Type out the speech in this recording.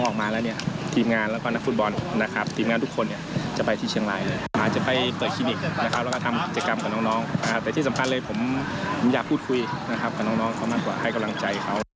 กับน้องเขามากกว่าให้กำลังใจเขา